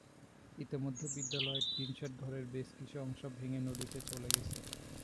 ইতিমধ্যে বিদ্যালয়ের টিনশেড ঘরের বেশ কিছু অংশ ভেঙে নদীতে চলে গেছে।